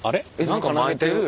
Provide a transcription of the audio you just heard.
何かまいてるよ。